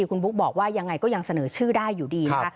คุณบุ๊กบอกว่ายังไงก็ยังเสนอชื่อได้อยู่ดีนะคะ